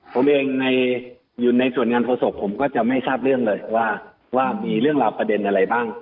ผมเองอยู่ในส่วนงานโฆษกผมก็จะไม่ทราบเรื่องเลยว่ามีเรื่องราวประเด็นอะไรบ้าง